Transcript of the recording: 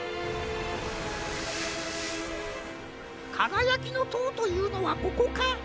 「かがやきのとう」というのはここか？